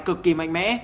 cực kỳ mạnh mẽ